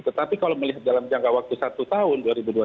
tetapi kalau melihat dalam jangka waktu satu tahun dua ribu dua puluh satu